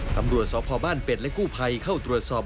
ตำรวจสพบ้านเป็ดและกู้ภัยเข้าตรวจสอบ